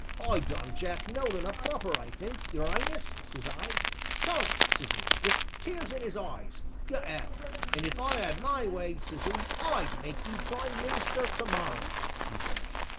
'I done Jack Nolan up proper I think, your 'Ighness,' says I. 'Tom,' says 'e, wi' tears in 'is eyes, 'you 'ave; an' if I 'ad my way,' says 'e, 'I'd make you Prime Minister to morrer!' 'e says.